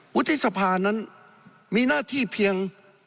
วุฒิสภานั้นมีหน้าที่เพียง